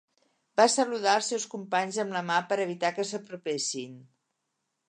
Va saludar els seus companys amb la mà per evitar que s'apropessin.